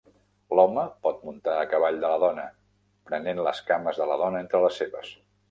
L'home pot muntar a cavall de la dona, prenent les cames de la dona entre les seves.